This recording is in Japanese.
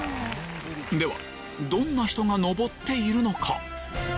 ではどんな人が登っているのか？